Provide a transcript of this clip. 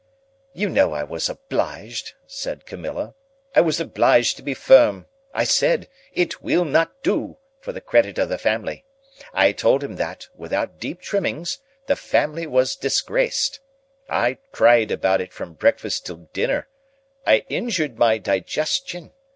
"You know I was obliged," said Camilla,—"I was obliged to be firm. I said, 'It WILL NOT DO, for the credit of the family.' I told him that, without deep trimmings, the family was disgraced. I cried about it from breakfast till dinner. I injured my digestion.